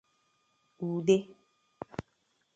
ude